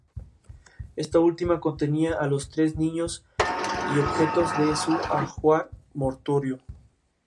El arco apoya sobre pilastras de piedra caliza labradas con molduras.